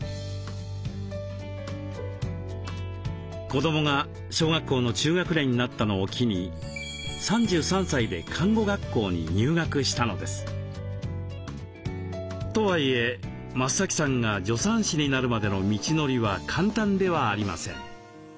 子どもが小学校の中学年になったのを機にとはいえ増さんが助産師になるまでの道のりは簡単ではありません。